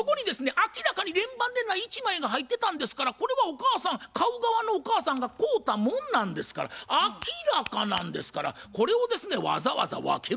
明らかに連番でない１枚が入ってたんですからこれはお母さん買う側のお母さんが買うたもんなんですから明らかなんですからこれをですねわざわざ分ける？